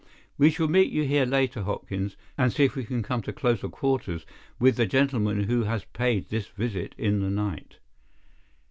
We shall meet you here later, Hopkins, and see if we can come to closer quarters with the gentleman who has paid this visit in the night."